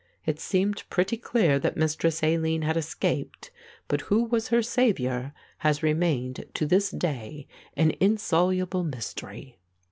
"It seemed pretty clear that Mistress Aline had escaped but who was her saviour has remained to this day an insoluble mystery."